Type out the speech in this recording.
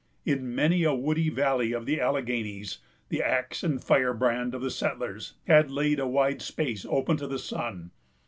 In many a woody valley of the Alleghanies, the axe and firebrand of the settlers had laid a wide space open to the sun.